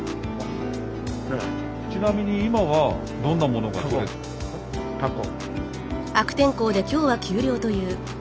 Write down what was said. ちなみに今はどんなものがとれる？タコ。